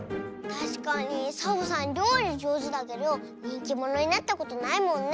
たしかにサボさんりょうりじょうずだけどにんきものになったことないもんね。